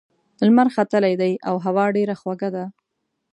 لمر ختلی دی او هوا ډېره خوږه ده.